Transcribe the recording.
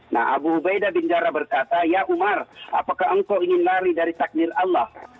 nah abu hubaida bin jara berkata ya umar apakah engkau ingin lari dari takdir allah